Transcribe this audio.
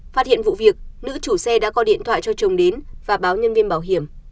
phát hiện vụ việc nữ chủ xe đã gọi điện thoại cho chồng đến và báo nhân viên bảo hiểm